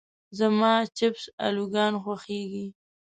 زما چپس الوګان خوښيږي.